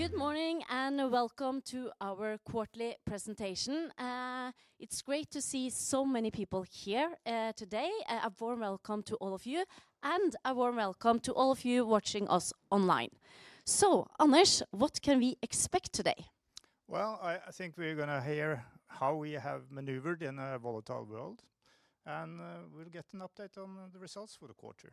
Good morning and welcome to our quarterly presentation. It's great to see so many people here today. A warm welcome to all of you and a warm welcome to all of you watching us online. Anders, what can we expect today? I think we're going to hear how we have manoeuvred in a volatile world, and we'll get an update on the results for the quarter.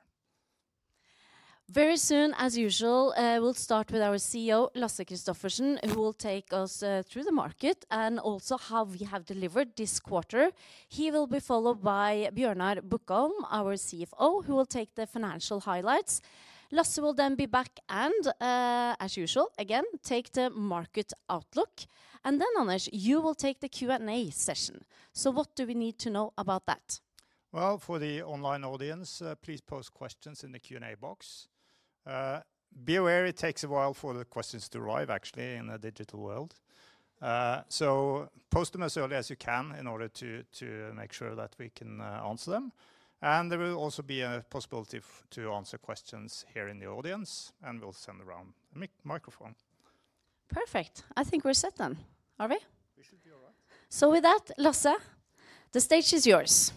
Very soon. As usual, we'll start with our CEO, Lasse Kristoffersen, who will take us through the market and also how we have delivered this quarter. He will be followed by Bjørnar Bukholm, our CFO, who will take the financial highlights. Lasse will then be back and, as usual, again take the market outlook. Anders, you will take the Q&A session. What do we need to know about that? For the online audience, please post questions in the Q&A box. Be aware, it takes a while for the questions to arrive actually in the digital world. Post them as early as you can in order to make sure that we can answer them. There will also be a possibility to answer questions here in the audience, and we'll send around a microphone. Perfect. I think we're set then, are we? With that, Lasse, the stage is yours.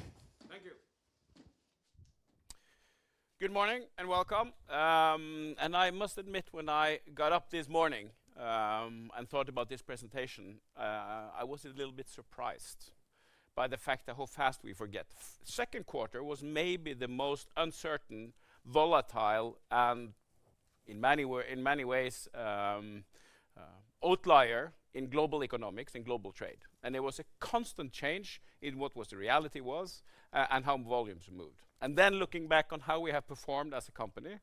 Good morning and welcome. I must admit, when I got up this morning and thought about this presentation, I was a little bit surprised by the fact of how fast we forget. Second quarter was maybe the most uncertain, volatile, and in many ways an outlier in global economics, in global trade. It was a constant change in what the reality was and how volumes moved. Looking back on how we have performed as a company,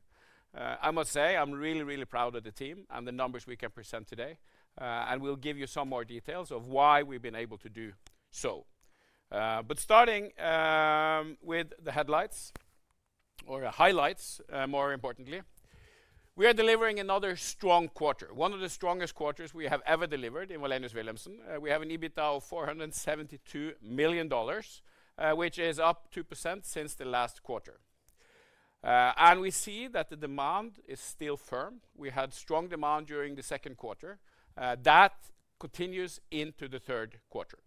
I must say I'm really, really proud of the team and the numbers we can present today. We'll give you some more details of why we've been able to do so. Starting with the highlights, more importantly, we are delivering another strong quarter, one of the strongest quarters we have ever delivered. In Wallenius Wilhelmsen, we have an EBITDA of $472 million, which is up 2% since the last quarter. We see that the demand is still firm. We had strong demand during the second quarter that continues into the third quarter.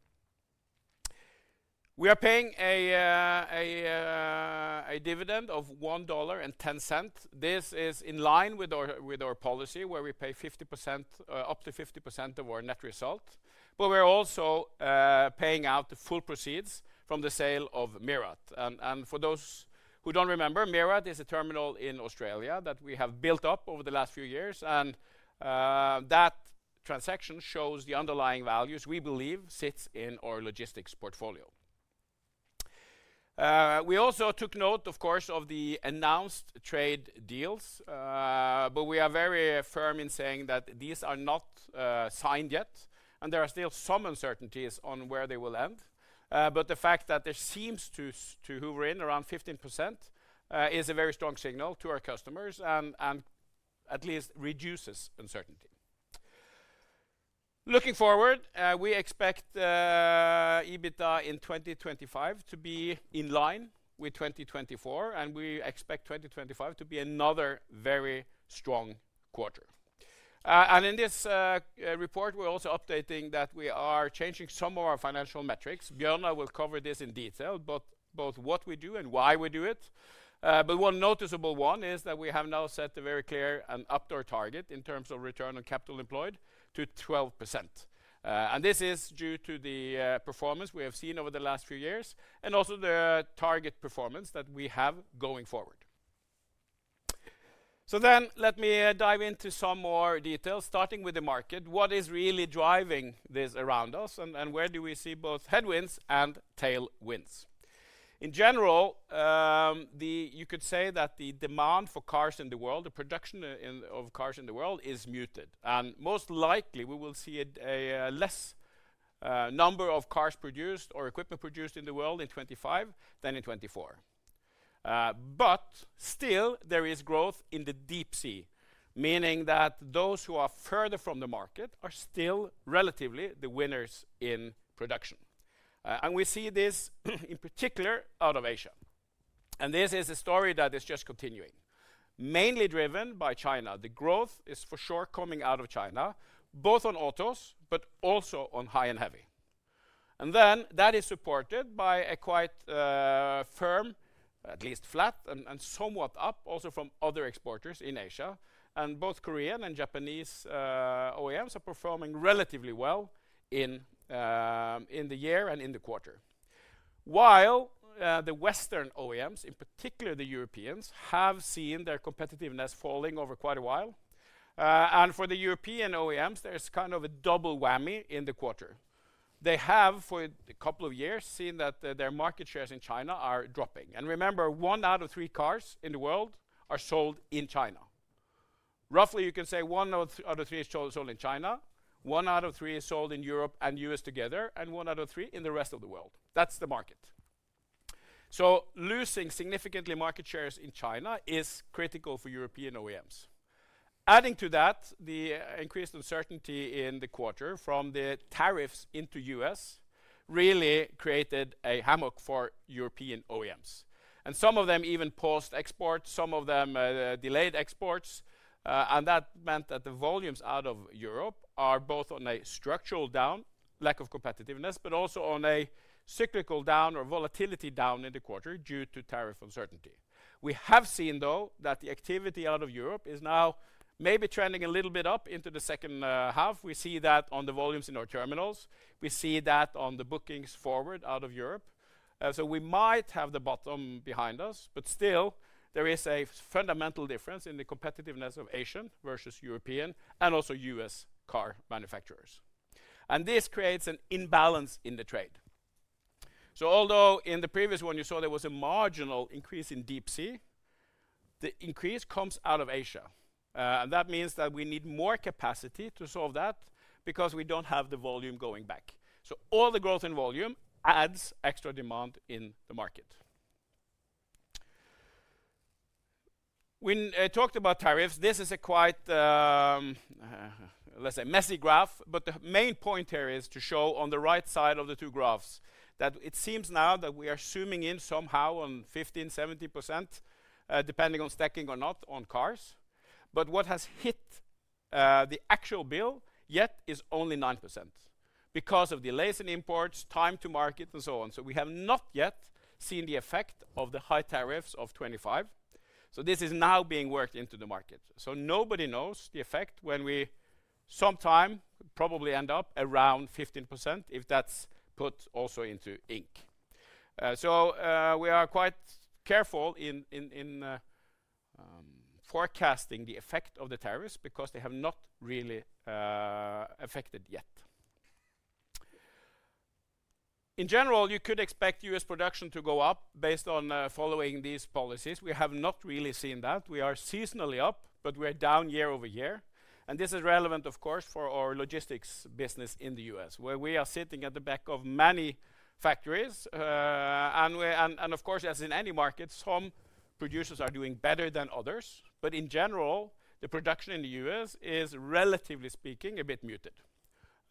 We are paying a dividend of $1.10. This is in line with our policy where we pay up to 50% of our net result. We're also paying out the full proceeds from the sale of Mirat. For those who don't remember, Mirat is a terminal in Australia that we have built up over the last few years. That transaction shows the underlying values we believe sit in our logistics portfolio. We also took note, of course, of the announced trade deals. We are very firm in saying that these are not signed yet. There are still some uncertainties on where they will end. The fact that there seems to hover in around 15% is a very strong signal to our customers and at least reduces uncertainty. Looking forward, we expect EBITDA in 2025 to be in line with 2024, and we expect 2025 to be another very strong quarter. In this report we're also updating that we are changing some of our financial metrics. Bjørnar will cover this in detail, both what we do and why we do it. One noticeable one is that we have now set a very clear and updated target in terms of return on capital employed to 12%. This is due to the performance we have seen over the last few years and also the target performance that we have. Let me dive into some more details, starting with the market. What is really driving this around us and where do we see both headwinds and tailwinds? In general, you could say that the demand for cars in the world, the production of cars in the world is muted, and most likely we will see a less number of cars produced or equipment produced in the world in 2025 than in 2024. Still, there is growth in the deep sea, meaning that those who are further from the market are still relatively the winners in production. We see this in particular out of Asia. This is a story that is just continuing, mainly driven by China. The growth is for sure coming out of China both on autos, but also on high and heavy. That is supported by a quite firm, at least flat and somewhat up, also from other exporters in Asia. Both Korean and Japanese OEMs are performing relatively well in the year and in the quarter, while the Western OEMs, in particular, the Europeans, have seen their competitiveness falling over quite a while. For the European OEMs, there's kind of a double whammy in the quarter. They have for a couple of years seen that their market shares in China are dropping. Remember, one out of three cars in the world are sold in China. Roughly, you can say 1 out of 3 is only in China, 1 out of 3 is sold in Europe and U.S. together, and 1 out of 3 in the rest of the world. That's the market. Losing significant market shares in China is critical for European OEMs. Adding to that, the increased uncertainty in the quarter from the tariffs into us really created a hammock for European OEMs. Some of them even paused exports, some of them delayed exports. That meant that the volumes out of Europe are both on a structural down, lack of competitiveness, but also on a cyclical down or volatility down in the quarter due to tariff uncertainty. We have seen though that the activity out of Europe is now maybe trending a little bit up into the second half. We see that on the volumes in our terminals, we see that on the bookings forward out of Europe. We might have the bottom behind us. Still, there is a fundamental difference in the competitiveness of Asian versus European and also U.S. car manufacturers. This creates an imbalance in the trade. Although in the previous one you saw there was a marginal increase in deep sea, the increase comes out of Asia. That means that we need more capacity to solve that because we don't have the volume going back. All the growth in volume adds extra demand in the market. When I talked about tariffs, this is a quite, let's say, messy graph. The main point here is to show on the right side of the two graphs that it seems now that we are zooming in somehow on 50%-70% depending on stacking or not on cars. What has hit the actual bill yet is only 9% because of delays in imports, time to market, and so on. We have not yet seen the effect of the high tariffs of 25%. This is now being worked into the market. Nobody knows the effect when we sometime probably end up around 15% if that's put also into Inc. We are quite careful in forecasting the effect of the tariffs because they have not really affected yet. In general, you could expect U.S. production to go up based on following these policies. We have not really seen that we are seasonally up, but we are down year over year. This is relevant of course for our logistics business in the U.S. where we are sitting at the back of many factories. Of course, as in any market, some producers are doing better than others. In general, the production in the U.S. is relatively speaking a bit muted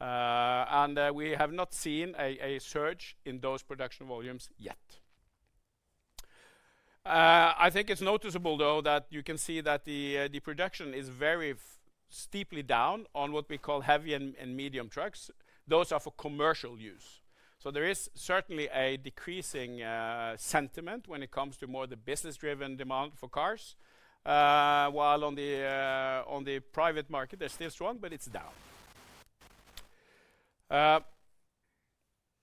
and we have not seen a surge in those production volumes yet. I think it's noticeable though that you can see that the production is very steeply down on what we call heavy and medium trucks. Those are for commercial use. There is certainly a decreasing sentiment when it comes to more the business-driven demand for cars, while on the private market they're still strong, but it's. Down.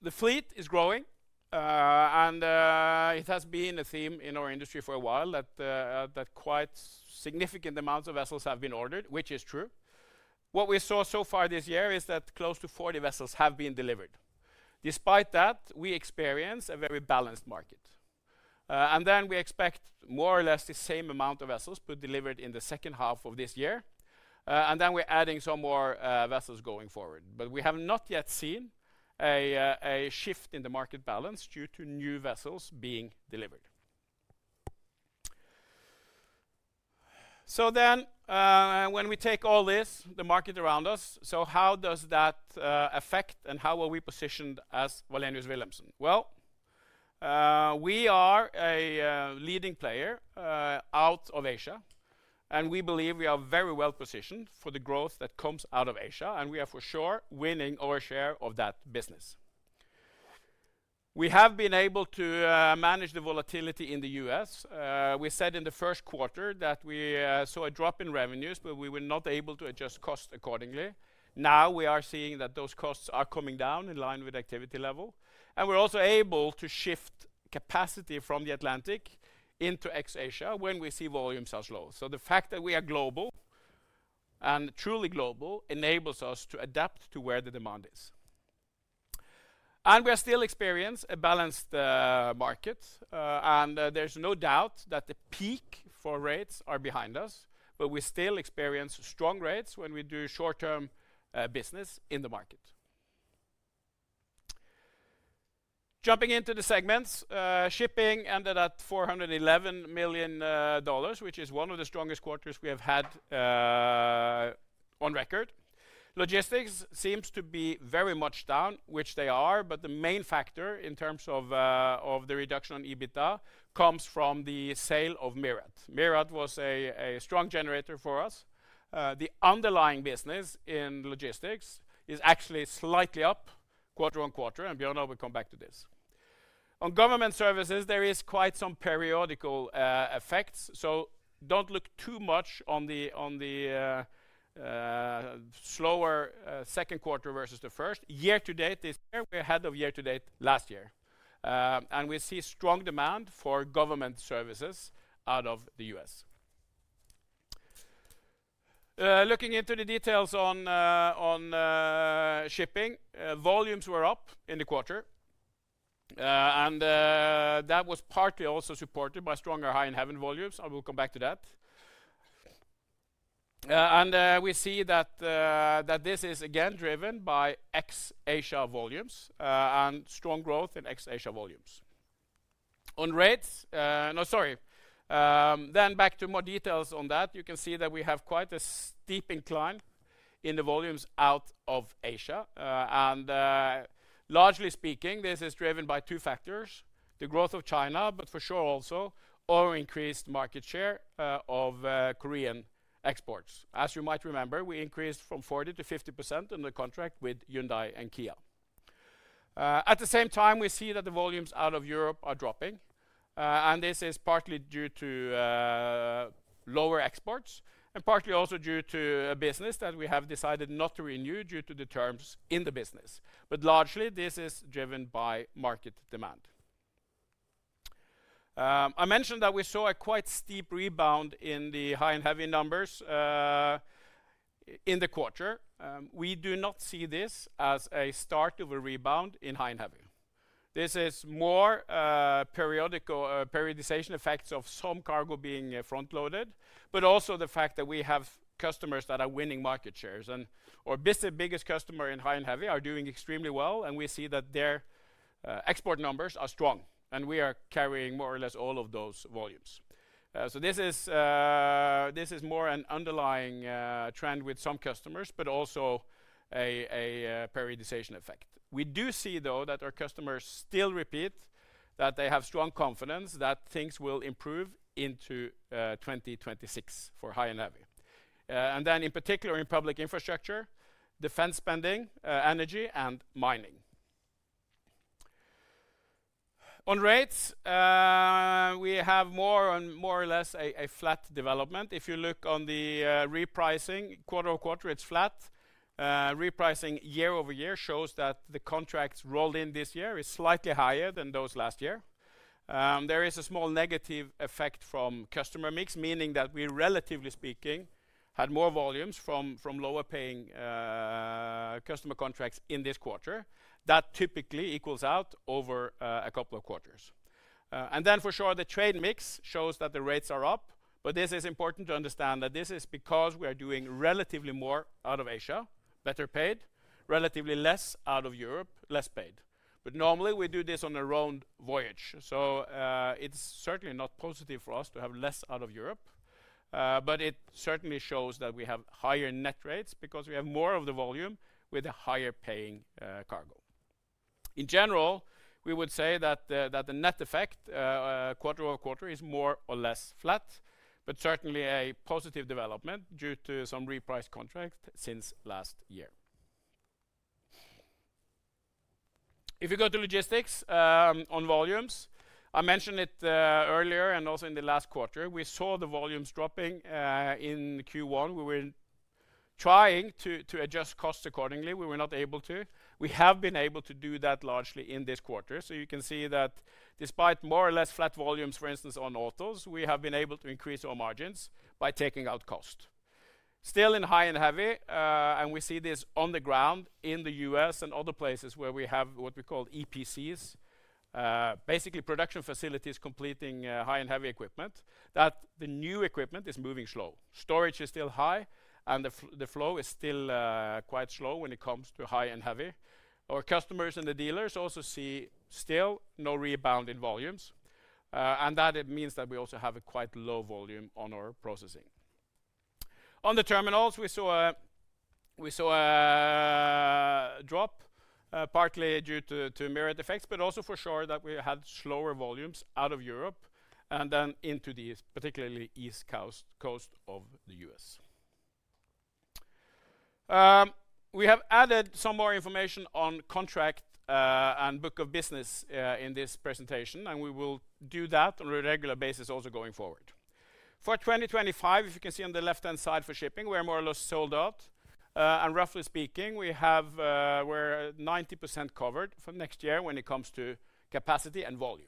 The fleet is growing. It has been a theme in our industry for a while that quite significant amounts of vessels have been ordered, which is true. What we saw so far this year is that close to 40 vessels have been delivered. Despite that, we experience a very balanced market and we expect more or less the same amount of vessels to deliver in the second half of this year. We are adding some more vessels going forward. We have not yet seen a shift in the market balance due to new vessels being delivered. When we take all this, the market around us, how does that affect and how are we positioned as Wallenius Wilhelmsen? We are a leading player out of Asia and we believe we are very well positioned for the growth that comes out of Asia and we are for sure winning our share of that business. We have been able to manage the volatility in the U.S. We said in the first quarter that we saw a drop in revenues, but we were not able to adjust costs accordingly. Now we are seeing that those costs are coming down in line with activity levels and we're also able to shift capacity from the Atlantic into ex Asia when we see volumes as low. The fact that we are global and truly global enables us to adapt to where the demand is. We still experience a balanced market. There is no doubt that the peak for rates are behind us, but we still experience strong rates when we do short term business in the market, jumping into the segments. Shipping ended at $411 million, which is one of the strongest quarters we have had on record. Logistics seems to be very much down, which they are. The main factor in terms of the reduction on EBITDA comes from the sale of Mirat. Mirat was a strong generator for us. The underlying business in logistics is actually slightly up quarter on quarter. Bjørnar will come back to this. On Government Services, there is quite some periodical effects, so don't look too much on the slower second quarter versus the first. Year to date is ahead of year to date last year and we see strong demand for Government Services out of the U.S. Looking into the details on shipping, volumes were up in the quarter and that was partly also supported by stronger high and heavy volumes. I will come back to that. We see that this is again driven by ex Asia volumes and strong growth in ex Asia volumes. On rates. No, sorry. Back to more details on that. You can see that we have quite a steep incline in the volumes out of Asia, and largely speaking this is driven by two factors: the growth of China, but for sure also our increased market share of Korean exports. As you might remember, we increased from 40% to 50% in the contract with Hyundai and Kia. At the same time, we see that the volumes out of Europe are dropping, and this is partly due to lower exports and partly also due to a business that we have decided not to renew due to the terms in the business. Largely, this is driven by market demand. I mentioned that we saw a quite steep rebound in the high and heavy numbers in the quarter. We do not see this as a start of a rebound in high and heavy. This is more periodization effects of some cargo being front loaded, but also the fact that we have customers that are winning market shares, and our biggest customer in high and heavy are doing extremely well, and we see that their export numbers are strong, and we are carrying more or less all of those volumes. This is more an underlying trend with some customers, but also a periodization effect. We do see, though, that our customers still repeat that they have strong confidence that things will improve into 2026 for high and heavy, and then in particular in public infrastructure, defense spending, energy, and mining. On rates, we have more or less a flat development. If you look on the repricing quarter on quarter, it's flat. Repricing year over year shows that the contracts rolled in this year is slightly higher than those last year. There is a small negative effect from customer mix, meaning that we relatively speaking had more volumes from lower paying customer contracts in this quarter. That typically equals out over a couple of quarters. The trade mix shows that the rates are up. It is important to understand that this is because we are doing relatively more out of Asia, better paid, relatively less out of Europe, less paid. Normally, we do this on a round voyage. It is certainly not positive for us to have less out of Europe, but it certainly shows that we have higher net rates because we have more of the volume with a higher paying cargo. In general, we would say that the net effect quarter over quarter is more or less flat, but certainly a positive development due to some repriced contracts since last year. If you go to logistics on volumes, I mentioned it earlier and also in the last quarter we saw the volumes dropping in Q1. We were trying to adjust costs accordingly. We were not able to. We have been able to do that largely in this quarter. You can see that despite more or less flat volumes, for instance, on autos we have been able to increase our margins by taking out cost still in high and heavy. We see this on the ground in the U.S. and other places where we have what we call EPCs, basically production facilities completing high and heavy equipment, that the new equipment is moving slow, storage is still high and the flow is still quite slow. When it comes to high and heavy, our customers and the dealers also see still no rebound in volumes and that means that we also have a quite low volume on our processing on the terminals. We saw a drop partly due to myriad effects, but also for sure that we had slower volumes out of Europe and then into the particularly east coast of the U.S. We have added some more information on contract and book of business in this presentation and we will do that on a regular basis also going forward for 2025. If you can see on the left hand side for shipping, we are more or less sold out. Roughly speaking, we're 90% covered for next year when it comes to capacity and volume.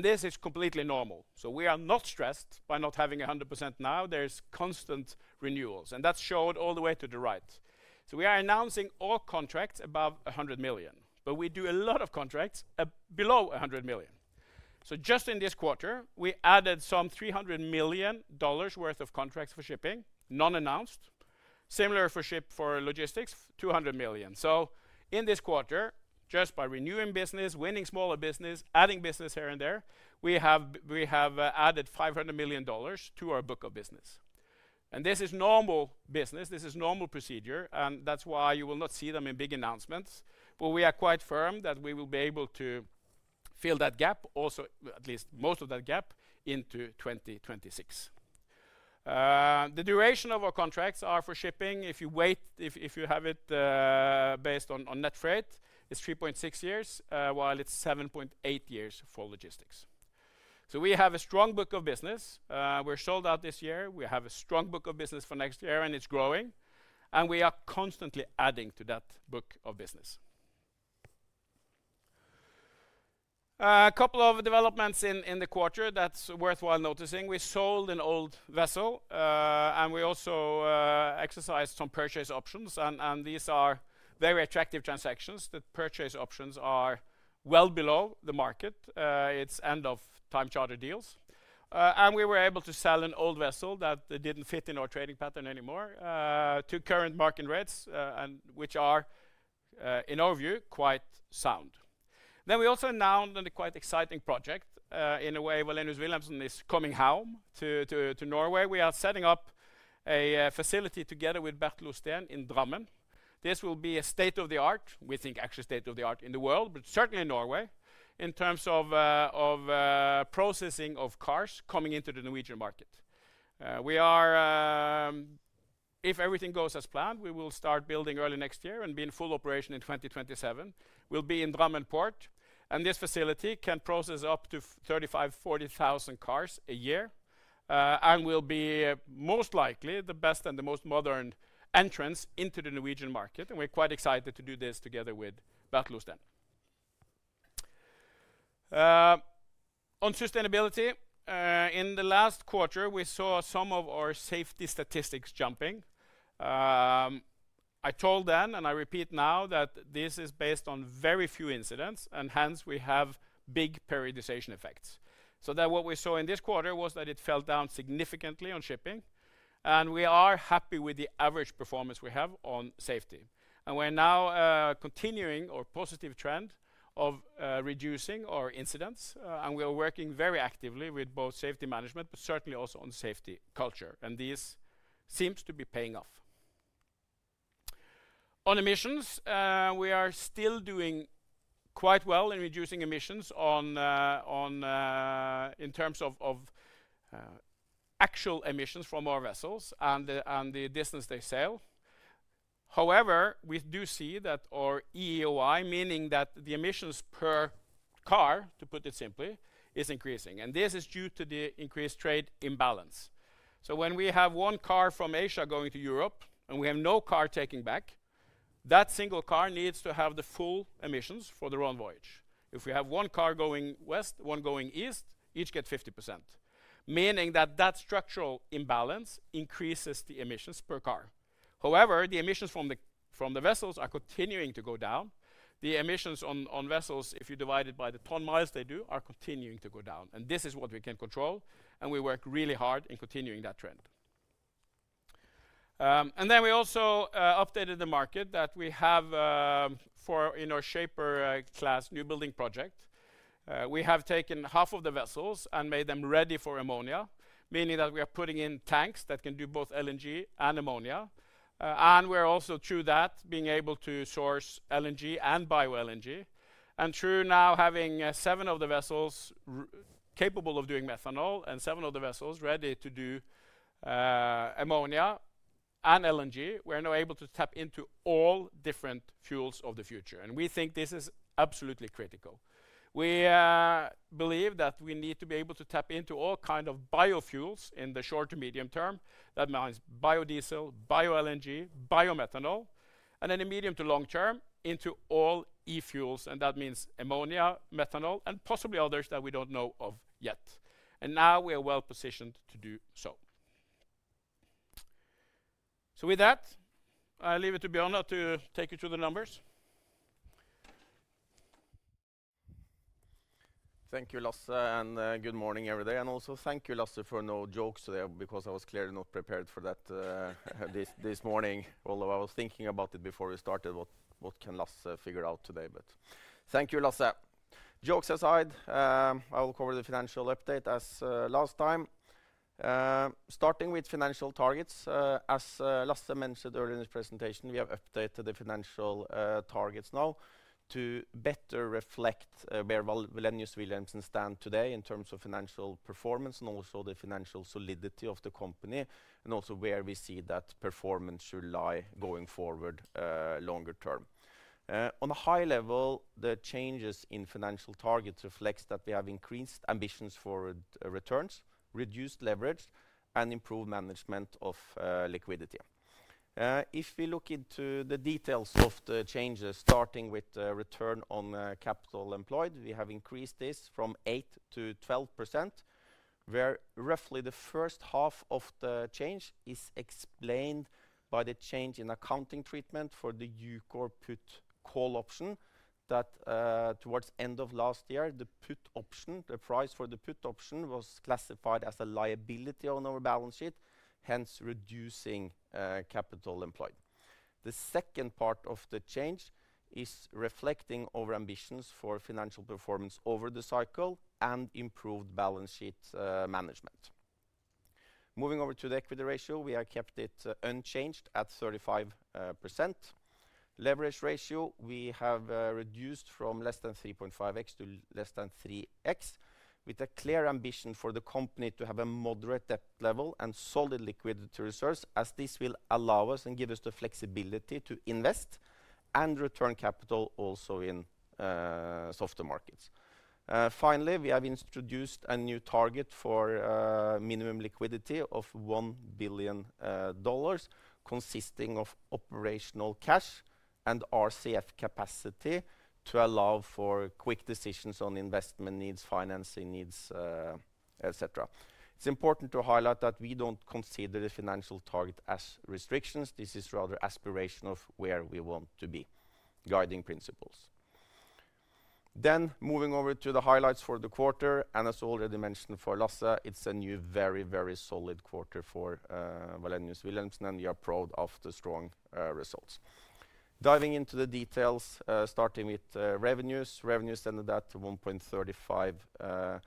This is completely normal. We are not stressed by not having 100% now. There's constant renewals and that's showed all the way to the right. We are announcing all contracts above $100 million but we do a lot of contracts below $100 million. Just in this quarter we added some $300 million worth of contracts for shipping, non-announced, similar for logistics, $200 million. In this quarter, just by renewing business, winning smaller business, adding business here and there, we have added $500 million book of business. This is normal business, this is normal procedure and that's why you will not see them in big announcements. We are quite firm that we will be able to fill that gap also at least most of that gap into 2026. The duration of our contracts are for shipping, if you have it based on net freight, it's 3.6 years while it's 7.8 years for logistics. We have a strong book of business. We're sold out this year. We have a strong book of business for next year and it's growing and we are constantly adding to that book of business. A couple of developments in the quarter that's worthwhile noticing. We sold an old vessel and we also exercised some purchase options and these are very attractive transactions. The purchase options are well below the market. It's end of time charter deals and we were able to sell an old vessel that didn't fit in our trading pattern anymore. Two current market in reds which are in our view quite sound. We also announced a quite exciting project in a way Wallenius Wilhelmsen is coming home to Norway. We are setting up a facility together with Bekkelaget in Drammen. This will be a state-of-the-art, we think actually state-of-the-art in the world, but certainly in Norway, in terms of processing of cars coming into the Norwegian market. If everything goes as planned, we will start building early next year and be in full operation in 2027. We'll be in Drammen Port and this facility can process up to 35,000-40,000 cars a year and will be most likely the best and the most modern entrance into the Norwegian market. We are quite excited to do this together with Bekkelaget. On sustainability, in the last quarter we saw some of our safety statistics jumping. I told then, and I repeat now, that this is based on very few incidents and hence we have big periodization effects. What we saw in this quarter was that it fell down significantly on shipping and we are happy with the average performance we have on safety. We are now continuing our positive trend of reducing our incidents. We are working very actively with both safety management, but certainly also on safety culture. This seems to be paying off. On emissions, we are still doing quite well in reducing emissions in terms of actual emissions from our vessels and the distance they sail. However, we do see that our EEOI, meaning that the emissions per car, to put it simply, is increasing and this is due to the increased trade imbalance. When we have one car from Asia going to Europe and we have no car taking back, that single car needs to have the full emissions for the round voyage. If we have one car going west, one going east, each get 50%, meaning that structural imbalance increases the emissions per car. However, the emissions from the vessels are continuing to go down. The emissions on vessels, if you divide it by the ton miles they do, are continuing to go down. This is what we can control. We work really hard in continuing that trend. We also updated the market that we have for in our Shaper class newbuilding project. We have taken half of the vessels and made them ready for ammonia, meaning that we are putting in tanks that can do both LNG and ammonia. We're also through that being able to source LNG and BioLNG, and through now having seven of the vessels capable of doing methanol and seven of the vessels ready to do ammonia and LNG. We're now able to tap into all different fuels of the future, and we think this is absolutely critical. We believe that we need to be able to tap into all kind of biofuels. In the short to medium term that means biodiesel, BioLNG, biomethanol, and in the medium to long term into all E fuels, and that means ammonia, methanol, and possibly others that we don't know of yet, and now we are well positioned to do so. With that, I leave it to Bjørnar to take you through the numbers. Thank you Lasse and good morning everybody. Also thank you Lasse for no jokes today because I was clearly not prepared for that this morning, although I was thinking about it before we started. What can Lasse figure out today? Thank you Lasse, jokes aside, I will cover the financial update as last time starting with Financial Targets. As Lasse mentioned earlier in this presentation, we have updated the financial targets now to better reflect where Wallenius Wilhelmsen stands today in terms of financial performance and also the financial solidity of the company and where we see that performance should lie going forward longer term. On a high level, the changes in financial targets reflect that we have increased ambitions for returns, reduced leverage, and improved management of liquidity. If we look into the details of the changes, starting with return on capital employed, we have increased this from 8% to 12% where roughly the first half of the change is explained by the change in accounting treatment for the UCOR put call option that towards end of last year the put option, the price for the put option was classified as a liability on our balance sheet, hence reducing capital employed. The second part of the change is reflecting our ambitions for financial performance over the cycle and improved balance sheet management. Moving over to the equity ratio, we have kept it unchanged at 35%. Leverage ratio we have reduced from less than 3.5x to less than 3x with a clear ambition for the company to have a moderate dependent level and solid liquidity reserves as this will allow us and give us the flexibility to invest and return capital also in softer markets. Finally, we have introduced a new target for minimum liquidity of $1 billion consisting of operational cash and RCF capacity to allow for quick decisions on investment needs, financing needs, etc. It's important to highlight that we don't consider the financial target as restrictions. This is rather aspirational of where we want to be, guiding principles. Moving over to the highlights for the quarter and as already mentioned by Lasse, it's a new very, very solid quarter for Wallenius Wilhelmsen and we are proud of the strong results. Diving into the details starting with revenues. Revenues ended up $1.35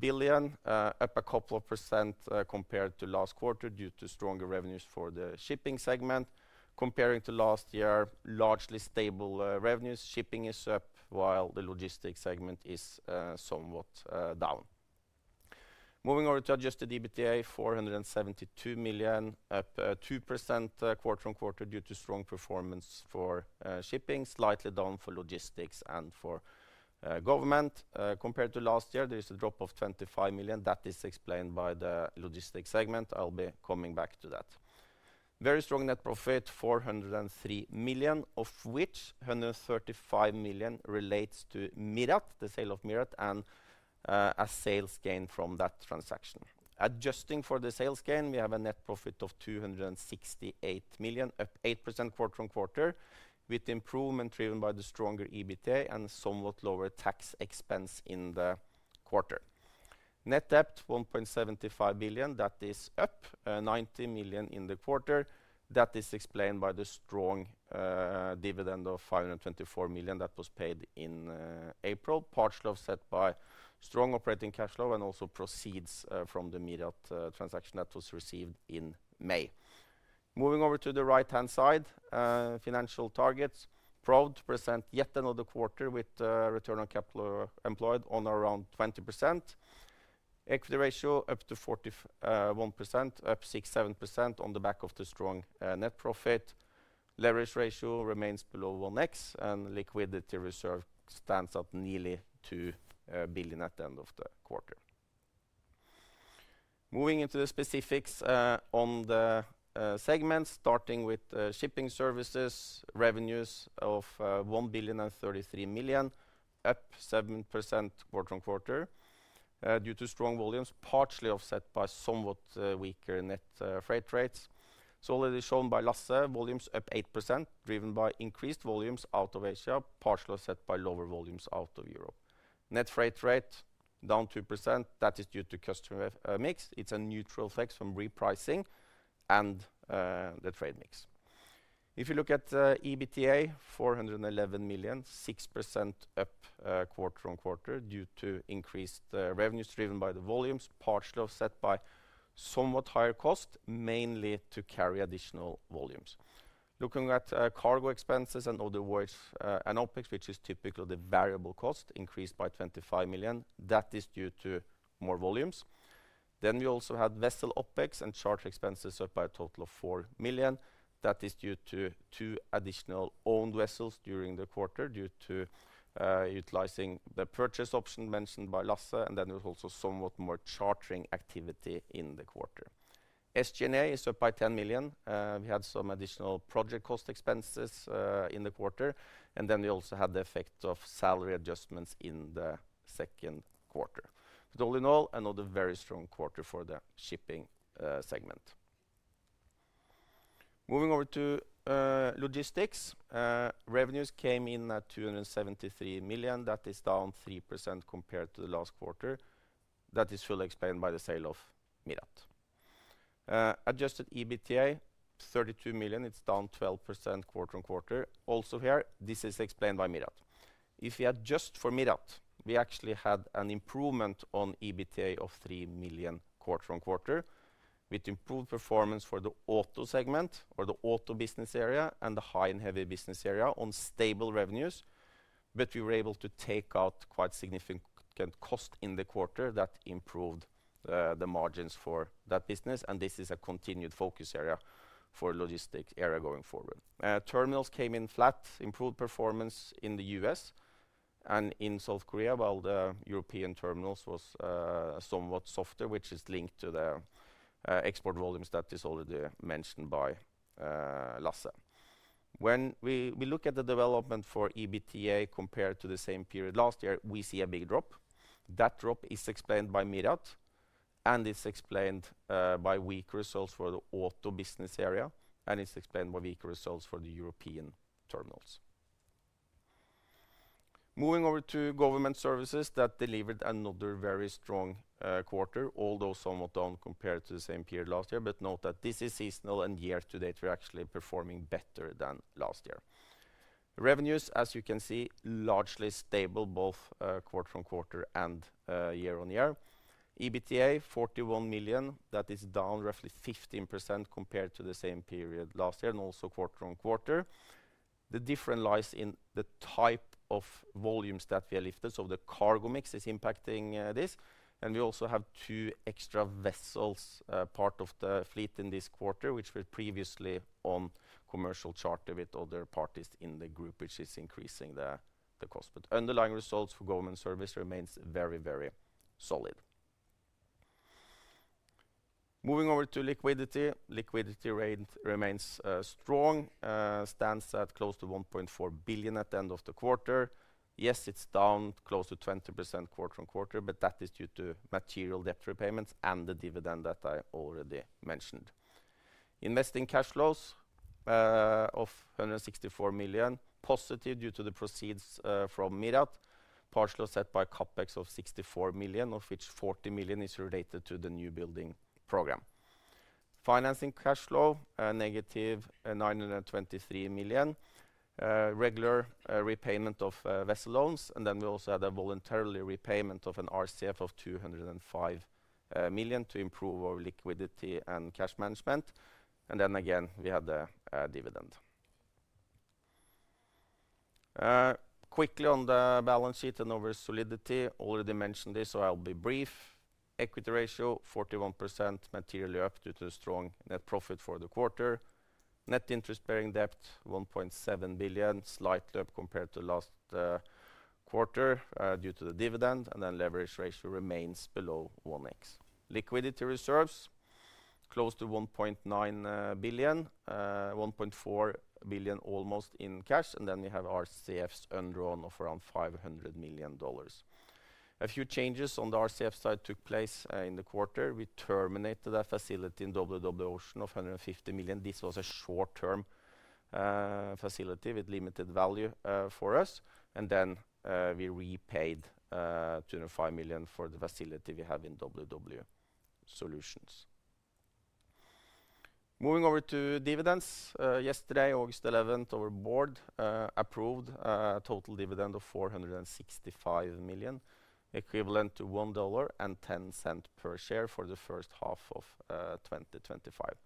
billion, up a couple of percent compared to last quarter due to stronger revenues for the shipping segment. Comparing to last year, largely stable revenues, shipping is up while the logistics segment is somewhat down. Moving over to adjusted EBITDA, $472 million, up 2% quarter on quarter due to strong performance for shipping, slightly down for logistics and for government. Compared to last year, there is a drop of $25 million that is explained by the logistics segment. I'll be coming back to that. Very strong net profit, $403 million, of which $135 million relates to Mirat, the sale of Mirat, and a sales gain from that transaction. Adjusting for the sales gain, we have a net profit of $268 million, at 8% quarter on quarter, with improvement driven by the stronger EBITDA and somewhat lower tax expense in the quarter. Net debt, $1.75 billion, that is up $90 million in the quarter. That is explained by the strong dividend of $524 million that was paid in April, partially offset by strong operating cash flow and also proceeds from the Mirat transaction that was received in May. Moving over to the right-hand side, financial targets, proud to present yet another quarter with return on capital employed on around 20%. Equity ratio up to 41%, up 6% on the back of the strong net profit. Leverage ratio remains below 1x and liquidity reserve stands up nearly $2 billion at the end of the quarter. Moving into the specifics on the segments, starting with Shipping Services, revenues of $1,033,000,000, up 7% quarter on quarter due to strong volumes, partially offset by somewhat weaker net freight rates, solidly shown by last year. Volumes up 8%, driven by increased volumes out of Asia, partially offset by lower volumes out of Europe. Net freight rate down 2%, that is due to customer mix. It's a neutral effect from repricing and the trade mix. If you look at EBITDA, $411 million, 6% up quarter on quarter due to increased revenues driven by the volumes, partially offset by somewhat higher cost, mainly to carry additional volumes. Looking at cargo expenses, in other words, an OpEx, which is typical, the variable cost increased by $25 million, that is due to more volumes. Then we also had vessel OpEx and charter expenses up by a total of $4 million. That is due to two additional owned vessels during the quarter due to utilizing the purchase option mentioned by Lasse. There was also somewhat more chartering activity in the quarter. SG&A is up by $10 million. We had some additional project cost expenses in the quarter and then we also had the effect of salary adjustments in the second quarter. All in all, another very strong quarter for the shipping segment. Moving over to logistics, revenues came in at $273 million. That is down 3% compared to the last quarter. That is fully explained by the sale of Mirat. Adjusted EBITDA $32 million. It's down 12% quarter on quarter. Also here, this is explained by Mirat. If you adjust for Mirat, we actually had an improvement on EBITDA of $3 million quarter on quarter with improved performance for the auto segment or the auto business area and the high and heavy business area on stable revenues. We were able to take out quite significant cost in the quarter that improved the margins for that business, and this is a continued focus area for the logistics area going forward. Terminals came in flat, improved performance in the U.S. and in South Korea, while the European terminals were somewhat softer, which is linked to the export volumes. That is already mentioned by Lasse. When we look at the development for EBITDA compared to the same period last year, we see a big drop. That drop is explained by Mirat, and it's explained by weak results for the auto business area, and it's explained by weaker results for the European terminals. Moving over to Government Services, that delivered another very strong quarter, although somewhat down compared to the same period last year. Note that this is seasonal, and year to date, we're actually performing better than last year. Revenues, as you can see, largely stable both quarter on quarter and year on year. EBITDA $41 million. That is down roughly 15% compared to the same period last year and also quarter on quarter. The difference lies in the type of volumes that we lifted, so the cargo mix is impacting this, and we also have two extra vessels part of the fleet in this quarter which were previously on commercial charter with other parties in the group, which is increasing the cost. Underlying results for Government Services remain very, very solid. Moving over to liquidity, liquidity rate remains strong, stands at close to $1.4 billion at the end of the quarter. Yes, it's down close to 20% quarter on quarter, but that is due to material debt repayments and the dividend that I already mentioned. Investing cash flows of $164 million positive due to the proceeds from Mirat, partially offset by CapEx of $64 million, of which $40 million is related to the newbuilding program. Financing cash flow negative $923 million. Regular repayment of vessel loans, and we also had a voluntary repayment of an RCF of $205 million to improve our liquidity and cash management. We have the dividend quickly on the balance sheet and over solidity already mentioned this, so I'll be brief. Equity ratio 41%, materially up due to strong net profit for the quarter. Net interest-bearing debt $1.7 billion, slightly up compared to last quarter due to the dividend. Leverage ratio remains below 1x. Liquidity reserves close to $1.9 billion, $1.4 billion almost in cash. We have RCFs undrawn of around $500 million. A few changes on the RCF side took place in the quarter. We terminated that facility in WW Ocean of $150 million. This was a short-term facility with limited value for us. We repaid $25 million for the facility we have in WW Solutions. Moving over to dividends. Yesterday, August 11, our board approved a total dividend of $465 million, equivalent to $1.10 per share for the first half of 2025.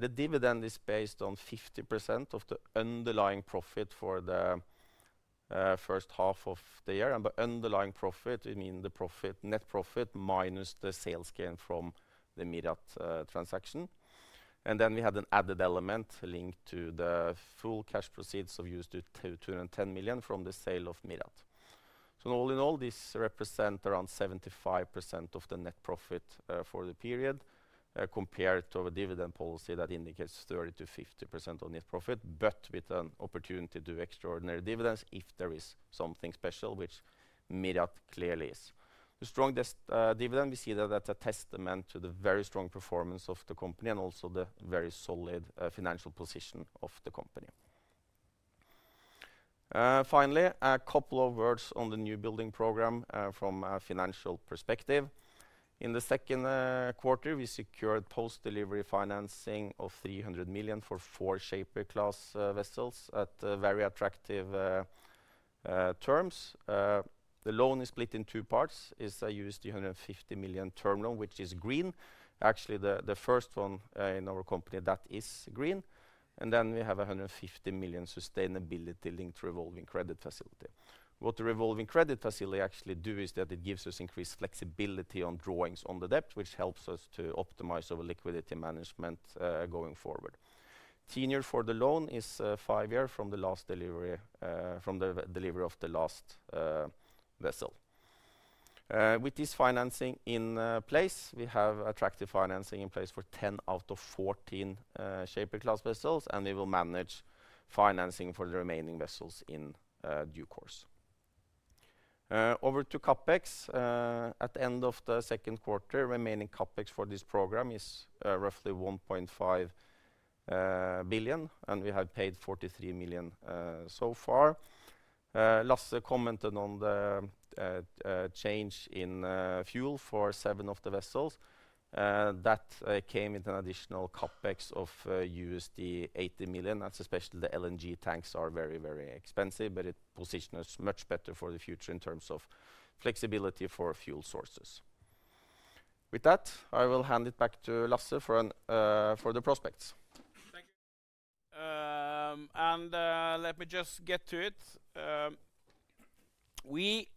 The dividend is based on 50% of the underlying profit for the first half of the year. By underlying profit, I mean the net profit minus the sales gain from the Mirat transaction. We had an added element linked to the full cash proceeds of $210 million from the sale of Mirat. All in all, this represents around 75% of the net profit for the period compared to a dividend policy that indicates 30% to 50% of net profit but with an opportunity to extraordinary dividends if there is something special, which Mirat clearly is. With strong dividend, we see that that's a testament to the very strong performance of the company and also the very solid financial position of the company. Finally, a couple of words on the newbuilding program from a financial perspective. In the second quarter, we secured post-delivery financing of $300 million for four Shaper class vessels at very attractive terms. The loan is split in two parts: a $150 million term loan, which is green, actually the first one in our company that is green, and a $150 million sustainability-linked revolving credit facility. What the revolving credit facility actually does is that it gives us increased flexibility on drawings on the debt, which helps us to optimize our liquidity management going forward. Senior for the loan is five years from the delivery of the last vessel. With this financing in place, we have attractive financing in place for 10 out of 14 Shaper class vessels, and they will manage financing for the remaining vessels in due course. Over to CapEx, at the end of the second quarter, remaining CapEx for this program is roughly $1.5 billion, and we have paid $43 million so far. Lasse commented on the change in fuel for seven of the vessels. That came with an additional CapEx of $80 million. Especially the LNG tanks are very, very expensive. It positions us much better for the future in terms of flexibility for fuel sources. With that, I will hand it back to Lasse for the prospects. Thank you. Let me just get to it. We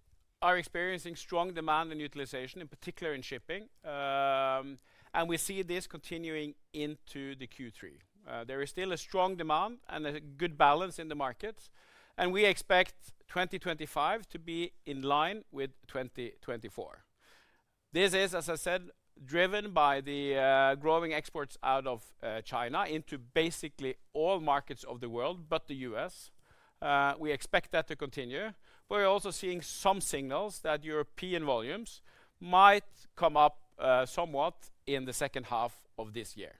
are experiencing strong demand and utilization, in particular in shipping, and we see this continuing into Q3. There is still a strong demand and a good balance in the markets, and we expect 2025 to be in line with 2024. This is, as I said, driven by the growing exports out of China into basically all markets of the world, but the U.S. We expect that to continue. We're also seeing some signals that European volumes might come up somewhat in the second half of this year.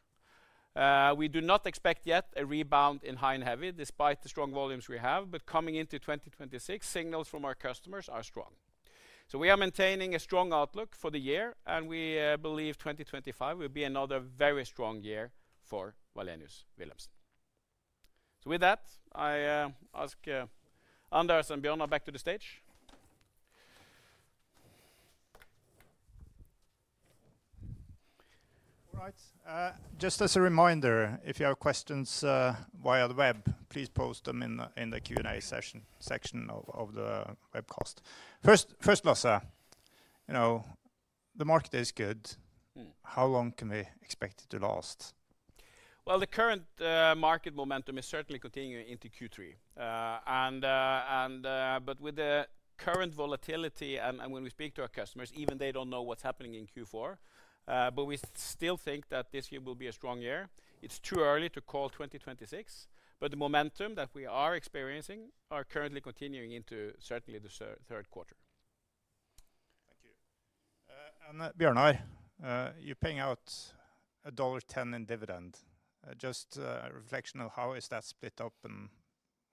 We do not expect yet a rebound in high and heavy despite the strong volumes we have. Coming into 2026, signals from our customers are strong. We are maintaining a strong outlook for the year, and we believe 2025 will be another very strong year for Wallenius Wilhelmsen. I ask Anders and Bjørnar back to the stage. All right, just as a reminder, if you have questions via the web, please post them in the Q&A session section of the web cost. First, first Lasse. You know the market is good. How long can we expect it to last? The current market momentum is certainly continuing into Q3, and with the current volatility and when we speak to our customers, even they don't know what's happening in Q4. We still think that this year will be a strong year. It's too early to call 2026, but the momentum that we are experiencing is currently continuing into certainly the third quarter. Thank you. Bjørnar, you're paying out $1.10 in dividend. Just a reflection of how is that split up and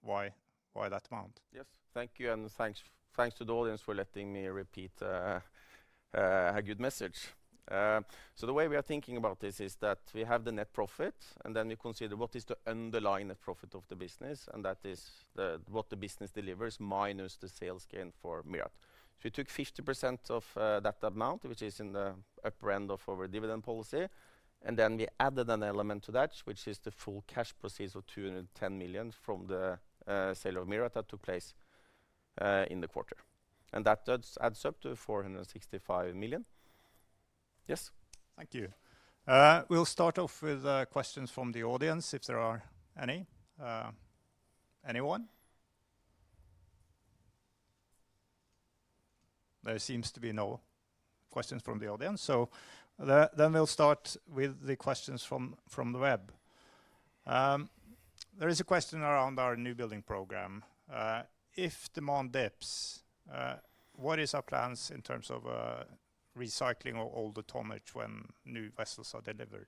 why that amount. Yes, thank you and thanks to the audience for letting me repeat a good message. The way we are thinking about this is that we have the net profit and then you consider what is the underlying net profit of the business and that what the business delivers, minus the sales gain for Mirat. We took 50% of that amount, which is in the upper end of our dividend policy, and then we added an element to that, which is the full cash proceeds of $210 million from the sale of Mirat that took place in the quarter, and that adds up to $465 million. Yes, thank you. We'll start off with questions from the audience, if there are any. Anyone? There seems to be no questions from the audience. We'll start with the questions from the web. There is a question around our newbuilding program. If demand dips, what is our plans in terms of recycling all the tonnage when new vessels are delivered?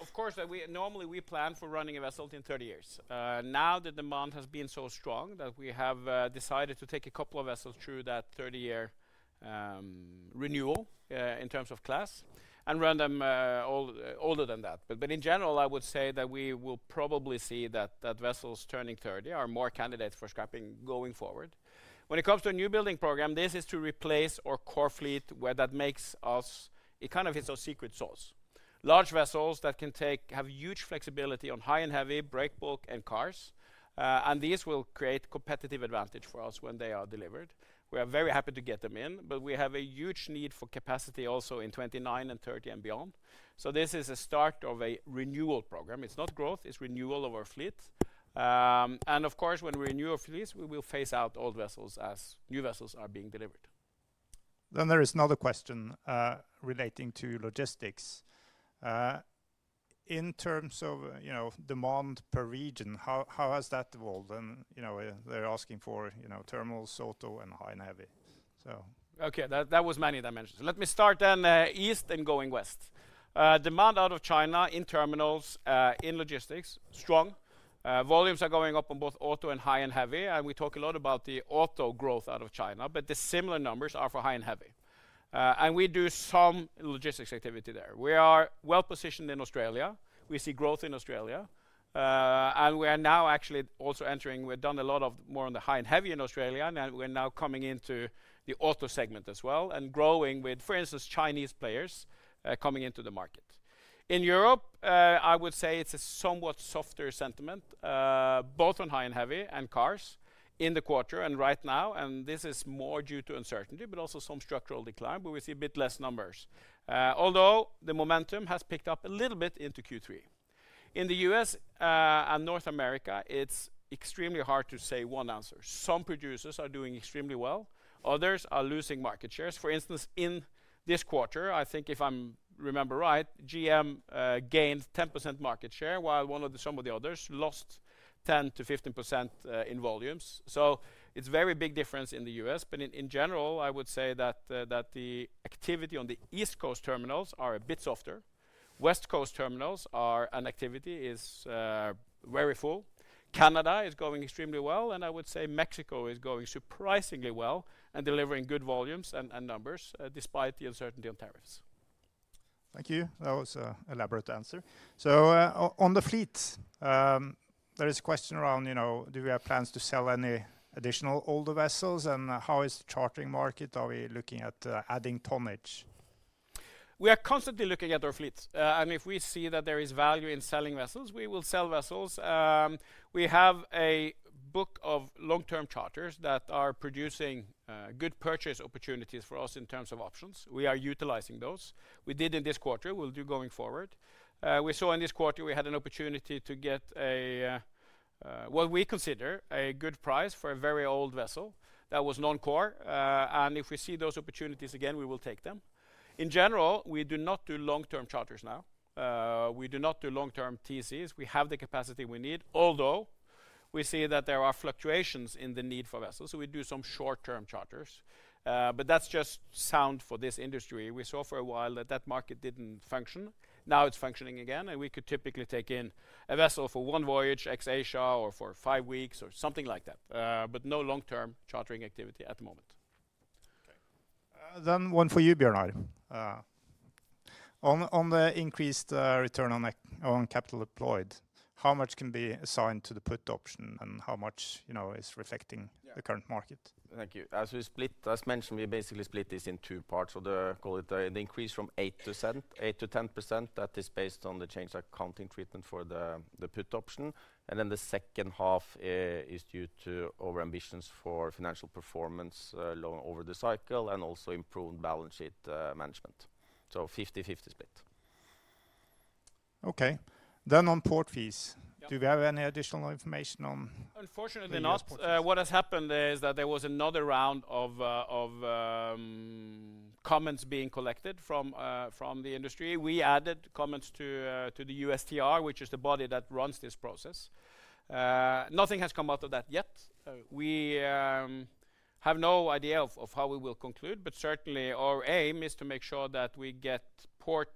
Of course, normally we plan for running a vessel in 30 years. Now the demand has been so strong that we have decided to take a couple of vessels through that 30-year renewal in terms of class and run them older than that. In general, I would say that we will probably see that vessels turning 30 are more candidates for scrapping going forward when it comes to a newbuilding program. This is to replace our core fleet where that makes us. It kind of is our secret sauce. Large vessels that can have huge flexibility on high and heavy, breakbulk, and cars. These will create competitive advantage for us when they are delivered. We are very happy to get them in, but we have a huge need for capacity also in 2029 and 2030 and beyond. This is a start of a renewal program. It's not growth, it's renewal of our fleets. Of course, when we renew our fleets, we will phase out old vessels as new vessels are being delivered. There is another question relating to logistics in terms of demand per region, how has that evolved? They're asking for thermal, Soto, and high and heavy. Okay, that was many dimensions. Let me start then east and going west. Demand out of China in terminals, in logistics, strong volumes are going up on both auto and high and heavy. We talk a lot about the auto growth out of China. The similar numbers are for high and heavy and we do some logistics activity there. We are well positioned in Australia. We see growth in Australia and we are now actually also entering. We've done a lot more on the high and heavy in Australia and we're now coming into the auto segment as well and growing with, for instance, Chinese players coming into the market in Europe. I would say it's a somewhat softer sentiment both on high and heavy and cars in the quarter and right now. This is more due to uncertainty, but also some structural decline. We see a bit less numbers, although the momentum has picked up a little bit into Q3 in the U.S. and North America. It's extremely hard to say one answer. Some producers are doing extremely well, others are losing market shares. For instance, in this quarter, I think if I remember right, GM gained 10% market share while some of the others lost 10%-15% in volumes. It's very big difference in the U.S., but in general I would say that the activity on the East Coast terminals are a bit softer. West Coast terminals are an activity is very full. Canada is going extremely well and I would say Mexico is going surprisingly well and delivering good volumes and numbers despite the uncertainty on tariffs. Thank you. That was an elaborate answer. On the fleet, there is a question around, you know, do we have plans to sell any additional older vessels, and how is the chartering market? Are we looking at adding tonnage? We are constantly looking at our fleets, and if we see that there is value in selling vessels, we will sell vessels. We have a book of long-term charters that are producing good purchase opportunities for us. In terms of options, we are utilizing those. We did in this quarter, we'll do going forward. We saw in this quarter we had an opportunity to get what we consider a good price for a very old vessel that was non-core. If we see those opportunities again, we will take them. In general, we do not do long-term charters now. We do not do long-term TCs. We have the capacity we need, although we see that there are fluctuations in the need for vessels. We do some short-term charters. That's just sound for this industry. We saw for a while that market didn't function. Now it's functioning again. We could typically take in a vessel for one voyage ex Asia or for five weeks or something like that, but no long-term chartering activity at the moment. Okay, then one for you, Bjørnar. On the increased return on capital employed, how much can be assigned to the put option, and how much is reflecting the current market? Thank you. As we split as mentioned, we basically split this in two parts. The increase from 8% to 10% is based on the change in accounting treatment for the put option. The second half is due to overambitions for financial performance over the cycle and also improved balance sheet management. So 50/50 split. Okay, on port fees, do we have any additional information? Unfortunately not. What has happened is that there was another round of comments being collected from the industry. We added comments to the U.S. TR, which is the body that runs this process. Nothing has come out of that yet. We have no idea how we will conclude. Certainly, our aim is to make sure that we get port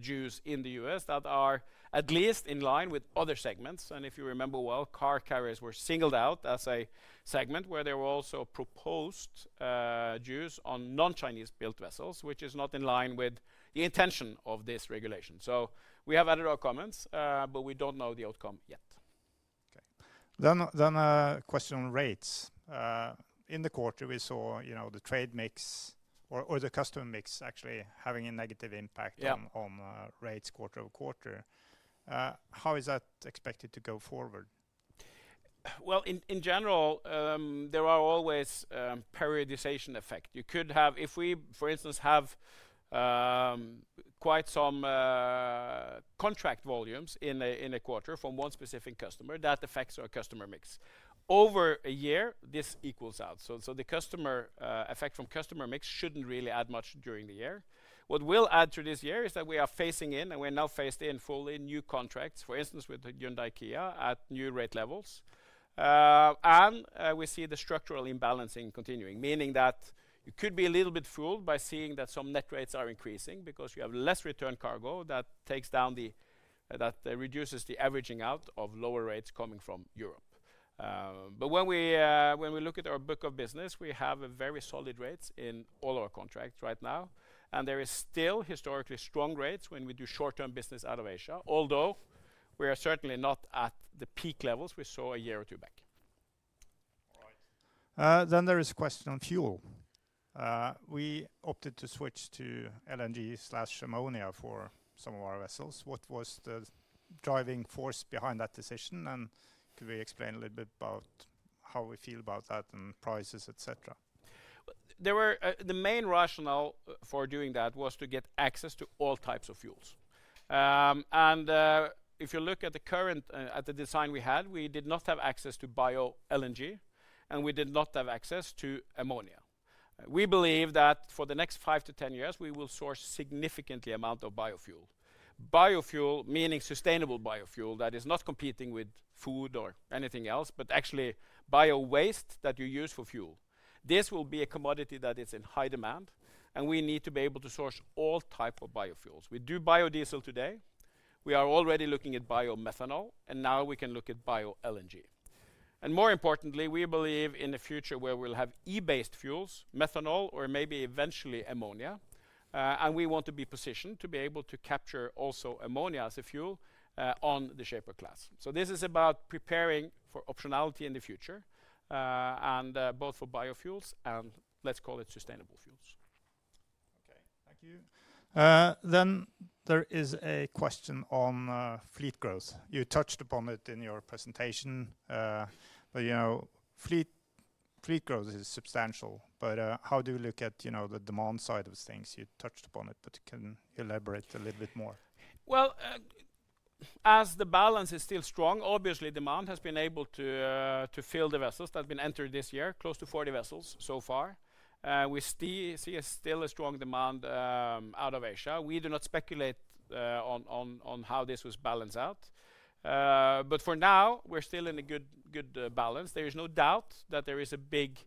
dues in the U.S. that are at least in line with other segments. If you remember, car carriers were singled out as a segment where there were also proposed dues on non-Chinese built vessels, which is not in line with the intention of this regulation. We have added our comments, but we don't know the outcome yet. Okay, a question on rates in the quarter. We saw the trade mix or the customer mix actually having a negative impact on rates quarter over quarter. How is that expected to go forward? In general, there are always periodization effects you could have. If we, for instance, have quite some contract volumes in a quarter from one specific customer, that affects our customer mix over a year. This equals out. The customer effect from customer mix shouldn't really add much during the year. What will add to this year is that we are phasing in, and we're now phased in full in new contracts, for instance with Hyundai Kia, at new rate levels. We see the structural imbalancing continuing, meaning that you could be a little bit fooled by seeing that some net rates are increasing because you have less return cargo. That reduces the averaging out of lower rates coming from Europe. When we look at our book of business, we have a very solid rate in all our contracts right now. There are still historically strong rates when we do short term business out of Asia, although we are certainly not at the peak levels we saw a year or two back. All right, there is a question on fuel. We opted to switch to LNG, ammonia for some of our vessels. What was the driving force behind that decision? Could we explain a little bit about how we feel about that and prices, et cetera. The main rationale for doing that was to get access to all types of fuels. If you look at the current, at the design we had, we did not have access to bio LNG and we did not have access to ammonia. We believe that for the next five to ten years we will source significant amount of biofuels. Biofuel, meaning sustainable biofuel that is not competing with food or anything else, but actually bio waste that you use for fuel. This will be a commodity that is in high demand and we need to be able to source all types of biofuels. We do biodiesel today. We are already looking at biomethanol and now we can look at bio LNG and more importantly we believe in the future where we'll have E based fuels, methanol or maybe eventually ammonia. We want to be positioned to be able to capture also ammonia as a fuel on the Shaper class. This is about preparing for optionality in the future and both for biofuels and let's call it sustainable fuels. Okay, thank you. There is a question on fleet growth. You touched upon it in your presentation. You know fleet growth is substantial. How do you look at the demand side of things? You touched upon it, can you elaborate a little bit more? As the balance is still strong, obviously demand has been able to fill the vessels that have been entered this year. Close to 40 vessels so far. We see still a strong demand out of Asia. We do not speculate on how this was balanced out, but for now we're still in a good. There is no doubt that there is a big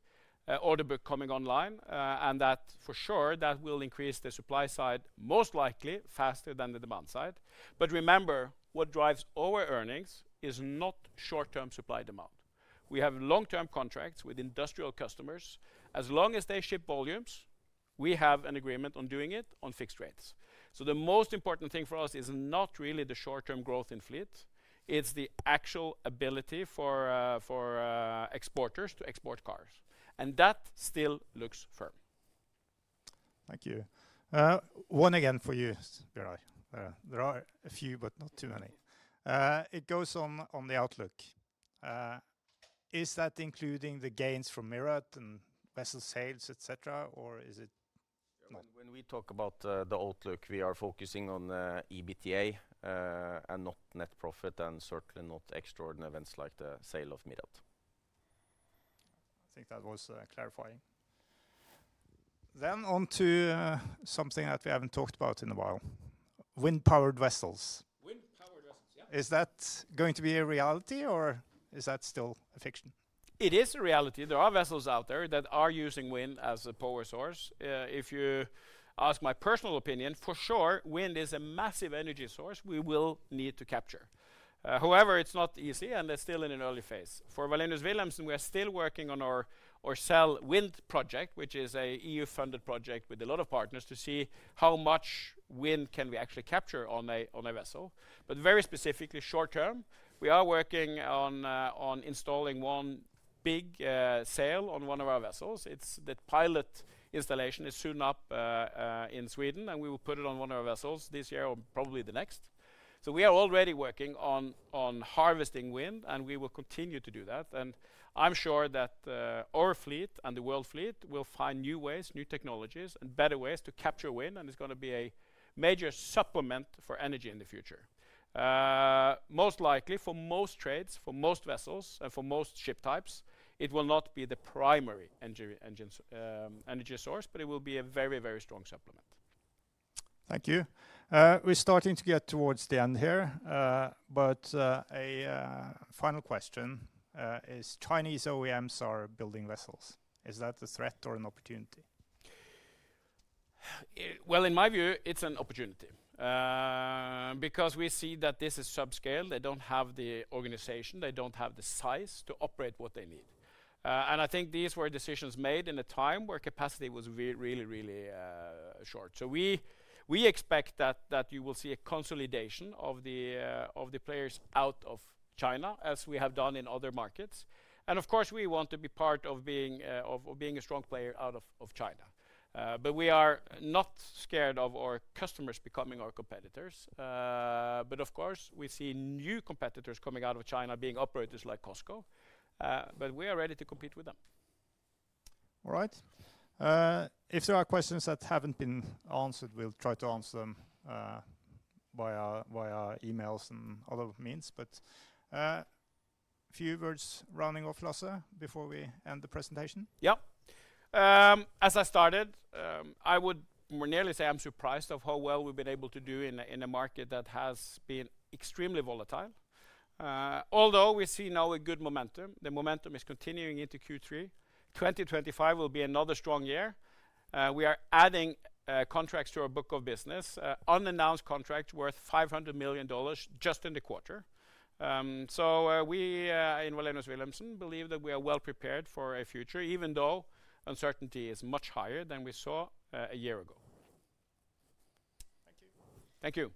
order book coming online and that for sure that will increase the supply side most likely faster than the demand side. Remember, what drives our earnings is not short term supply demand. We have long term contracts with industrial customers as long as they ship volumes. We have an agreement on doing it on fixed rates. The most important thing for us is not really the short term growth in fleets, it's the actual ability for exporters to export cars. That still looks firm. Thank you. Once again for you. There are a few, but not too many. It goes on the outlook. Is that including the gains from Mirat and vessel sales, et cetera, or is it? When we talk about the outlook, we are focusing on EBITDA and not net profit, and certainly not extraordinary events like the sale of Mirat. I think that was clarifying. On to something that we haven't talked about in a while: wind-powered vessels. Wind-powered vessels. Is that going to be a reality or is that still a fiction? It is a reality. There are vessels out there that are using wind as a power source. If you ask my personal opinion, for sure, wind is a massive energy source we will need to capture. However, it's not, you see, and they're still in an early phase. For Wallenius Wilhelmsen, we are still working on our Sail wind project, which is an EU-funded project with a lot of partners to see how much wind can we actually capture on a vessel. Very specifically, short term, we are working on installing one big sail on one of our vessels. The pilot installation is soon up in Sweden and we will put it on one of our vessels this year or probably the next. We are already working on harvesting wind and we will continue to do that. I'm sure that our fleet and the world fleet will find new ways, new technologies, and better ways to capture wind. It's going to be a major supplement for energy in the future. Most likely, for most trades, for most vessels, and for most ship types, it will not be the primary energy source, but it will be a very, very strong supplement. Thank you. We're starting to get towards the end here, but a final question is Chinese OEMs are building vessels. Is that a threat or an opportunity? In my view, it's an opportunity because we see that this is subscale. They don't have the organization, they don't have the size to operate what they need. I think these were decisions made in a time where capacity was really, really short. We expect that you will see a consolidation of the players out of China as we have done in other markets. Of course, we want to be part of being a strong player out of China, but we are not scared of our customers becoming our competitors. Of course, we see new competitors coming out of China being operators like Cosco, but we are ready to compete with them. All right, if there are questions that haven't been answered, we'll try to answer them via emails and other means. A few words, Lasse, before we end the presentation. Yeah, as I started, I would nearly say I'm surprised of how well we've been able to do in a market that has been extremely volatile. Although we see now a good momentum, the momentum is continuing into Q3. 2025 will be another strong year. We are adding contracts to our book of business. Unannounced contract worth $500 million just in the quarter. We in Wallenius Wilhelmsen believe that we are well prepared for a future even though uncertainty is much higher than we saw a year ago. Thank you. Thank you.